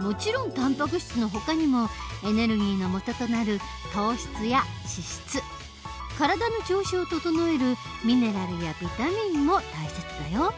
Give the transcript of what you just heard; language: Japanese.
もちろんたんぱく質のほかにもエネルギーのもととなる糖質や脂質体の調子を整えるミネラルやビタミンも大切だよ。